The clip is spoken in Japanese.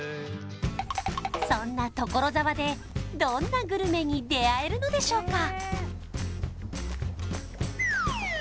そんな所沢でどんなグルメに出会えるのでしょうか